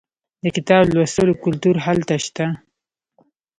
د کتاب لوستلو کلتور هلته شته.